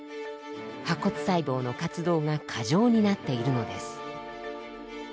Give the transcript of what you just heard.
破骨細胞の活動が過剰になっているのです。